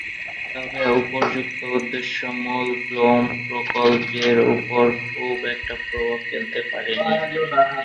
তবে উপর্যুক্ত উদ্দেশ্য মূল গ্নোম প্রকল্পের ওপর খুব একটা প্রভাব ফেলতে পারে নি।